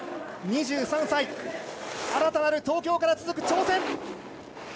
２３歳、新たなる東京から続く挑戦。